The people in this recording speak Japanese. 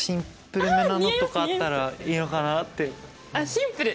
シンプル？